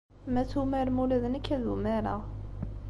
Ma tumarem, ula d nekk ad umareɣ.